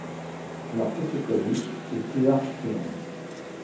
Leur tête est conique et plus large que longue.